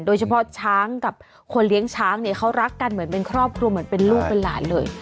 โดยเฉพาะช้างกับคนเลี้ยงช้างเนี่ยเขารักกันเหมือนเป็นครอบครัวเหมือนเป็นลูกเป็นหลานเลย